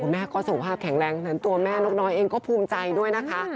แม่ก็สุขภาพแข็งแรงส่วนตัวแม่นกน้อยเองก็ภูมิใจด้วยนะคะ